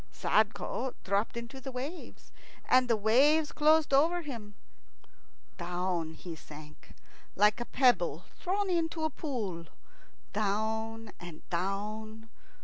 Sadko dropped into the waves, and the waves closed over him. Down he sank, like a pebble thrown into a pool, down and down.